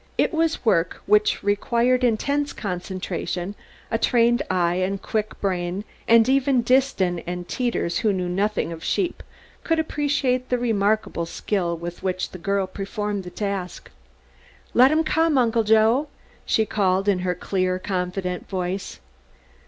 It was work which required intense concentration, a trained eye and quick brain, and even Disston and Teeters, who knew nothing of sheep, could appreciate the remarkable skill with which the girl performed the task. "Let 'em come, Uncle Joe!" she called in her clear confident voice.